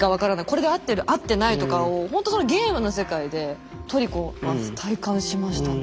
これで合ってる合ってないとかをほんとそのゲームの世界で「トリコ」は体感しましたね。